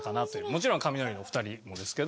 もちろんカミナリのお二人もですけどね。